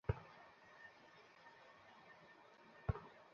মাই dear Alicia, দেরী করার জন্য ক্ষমা করবে?